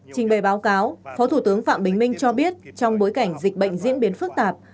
trình bày báo cáo phó thủ tướng phạm bình minh cho biết trong bối cảnh dịch bệnh diễn biến phức tạp